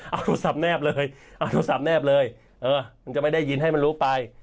เอาโทรศัพท์แนบเลยเอาโทรศัพท์แนบเลยเออมันจะไม่ได้ยินให้มันรู้ไป